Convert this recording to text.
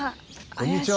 こんにちは。